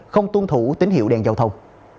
không tuân thủ tín hiệu đèn giao thông